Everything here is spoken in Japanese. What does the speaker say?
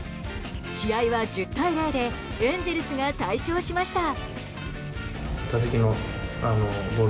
試合は１０対０でエンゼルスが大勝しました。